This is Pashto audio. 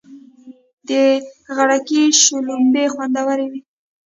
د غړکی شلومبی خوندوری وی.